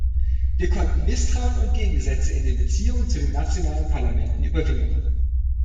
Wir konnten Misstrauen und Gegensätze in den Beziehungen zu den nationalen Parlamenten überwinden.